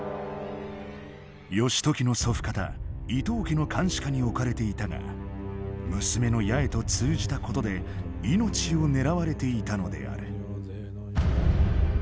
義時の祖父方伊東家の監視下に置かれていたが娘の八重と通じたことで命を狙われていたのである。